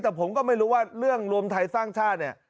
แต่ผมก็ไม่รู้ว่าเรื่องรวมไทยสร้างชาติเนี่ย